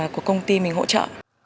của công ty mình hỗ trợ